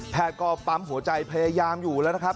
ก็ปั๊มหัวใจพยายามอยู่แล้วนะครับ